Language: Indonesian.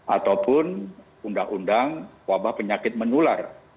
ataupun undang undang wabah penyakit menular